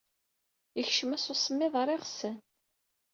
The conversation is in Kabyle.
Yekcem-as usemmiḍ ɣer yiɣsan.